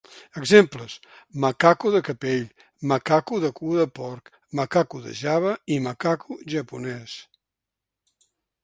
Exemples: macaco de capell, macaco de cua de porc, macaco de Java i macaco japonès.